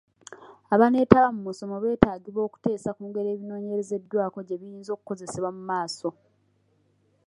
Abaneetaba mu musomo betaagibwa okuteesa ku ngeri ebinoonyerezeddwako gye biyinza okukozesebwa mu maaso.